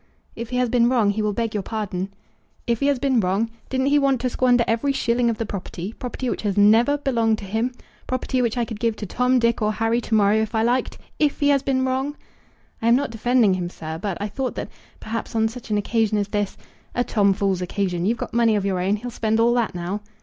"If he has been wrong, he will beg your pardon." "If he has been wrong! Didn't he want to squander every shilling of the property, property which has never belonged to him; property which I could give to Tom, Dick, or Harry to morrow, if I liked? If he has been wrong!" "I am not defending him, sir; but I thought that, perhaps, on such an occasion as this " "A Tom Fool's occasion! You've got money of your own. He'll spend all that now."